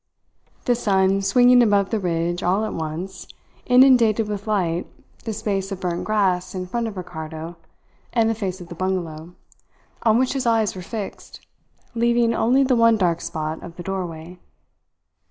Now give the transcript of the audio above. The sun, swinging above the ridge all at once, inundated with light the space of burnt grass in front of Ricardo and the face of the bungalow, on which his eyes were fixed, leaving only the one dark spot of the doorway.